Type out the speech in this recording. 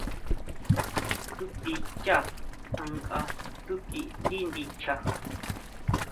Tsúti xchá ankʼa tsúti ndí ndicha.